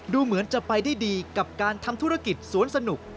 ดูเหมือนจะไปได้ดีกับการทำธุรกิจสวนสนุก